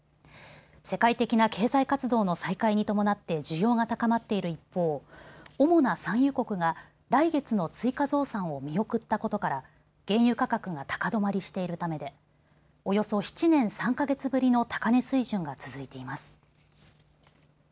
世界的な経済活動の再開に伴って需要が高まっている一方、主な産油国が来月の追加増産を見送ったことから原油価格が高止まりしているためでおよそ７年３か月ぶりの高値水準が続いています。